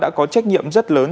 đã có trách nhiệm rất lớn